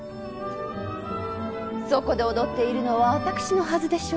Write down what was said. そこで踊っているのは私のはずでしょ？